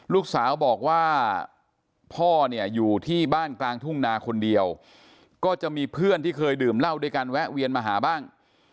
ลูกสาวบอกว่าพ่อเนี่ยอยู่ที่บ้านกลางทุ่งนาคนเดียวก็จะมีเพื่อนที่เคยดื่มเหล้าด้วยกันแวะเวียนมาหาบ้าง